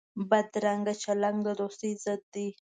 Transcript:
بدرنګه چلند د دوستۍ ضد دی